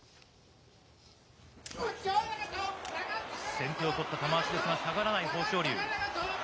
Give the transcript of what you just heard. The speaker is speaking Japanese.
先手を取った玉鷲ですが、下がらない、豊昇龍。